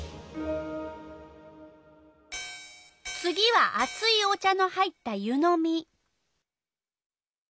次はあついお茶の入った湯のみ。